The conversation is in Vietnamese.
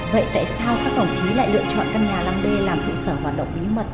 vậy tại sao các đồng chí lại lựa chọn căn nhà năm d làm trụ sở hoạt động bí mật